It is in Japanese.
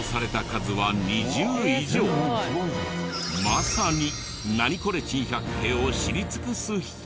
まさに『ナニコレ珍百景』を知り尽くす人。